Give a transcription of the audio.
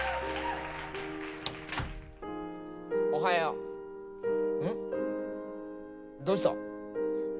おはよう。